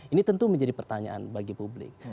ini tentu menjadi pertanyaan bagi publik